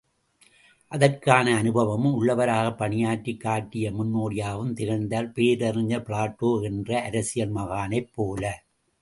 அதற்கான அனுபவமும் உள்ளவராகப் பணியாற்றிக் காட்டிய முன் னோடியாகவும் திகழ்ந்தார் பேரறிஞர் பிளேட்டோ என்ற அரசியல் மகானைப் போல!